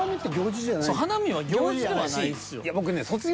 花見は行事ではないですよ。